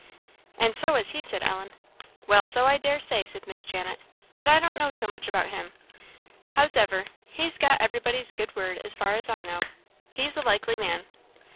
"And so is he," said Ellen. "Well, so I dare say," said Miss Janet; "but I don't know so much about him; hows'ever, he's got everybody's good word as far as I know; he's a likely man."